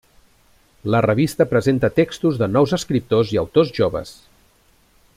La revista presenta textos de nous escriptors i autors joves.